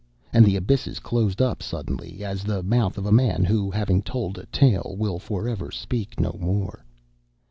And the abysses closed up suddenly as the mouth of a man who, having told a tale, will for ever speak no more.